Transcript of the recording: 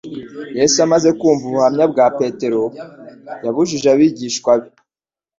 Yesu amaze kumva ubuhamya bwa Petero, yabujije abigishwa be